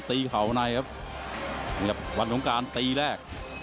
ตีเขาในครับวันสงการตีแรก